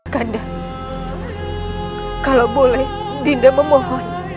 kandang kalau boleh dinda memohon